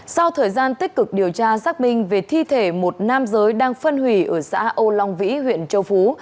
sau thời gian tích cực điều tra xác minh về thi thể một nam giới đang phân hủy ở xã âu long vĩ huyện châu phú